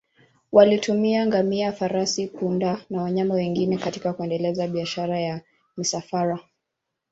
Walitumia ngamia, farasi, punda au wanyama wengine katika kuendeleza biashara ya misafara.